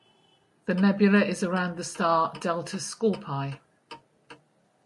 The nebula is around the star Delta Scorpii.